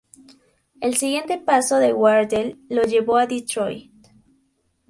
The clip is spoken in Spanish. El siguiente paso de Wardell lo llevó a Detroit.